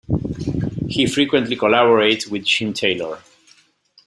He frequently collaborates with Jim Taylor.